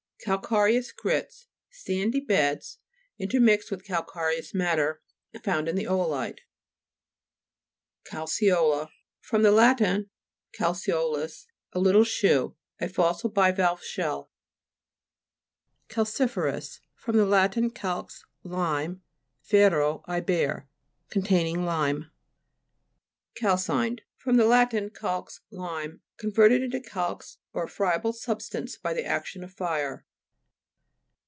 CALCAREOUS GRITS Sandy beds, in termixed with calcareous matter, found in the o'olite (p. 62). CALCE'OLA fr. lat. calceolous, a little shoe. A fossil bivalve shell (p. 33). CALCI'FEROUS fr. lat. calx, lime, fero, I bear. Containing lime. CAI/CINED fr. lat. calx, lime. Con verted into calx or a friable sub stance by the action of fire.